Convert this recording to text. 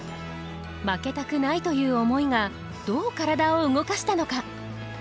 負けたくないという思いがどう体を動かしたのか。